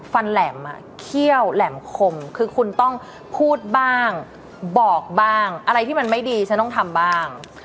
แหลมเขี้ยวแหลมคมคือคุณต้องพูดบ้างบอกบ้างอะไรที่มันไม่ดีฉันต้องทำบ้าง